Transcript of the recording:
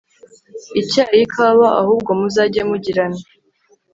icyayi ikawa ahubwo muzajye mugirana